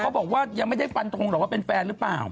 เขาบอกว่ายังไม่ได้ฝันตรงเหรอว่าเป็นแฟนนะ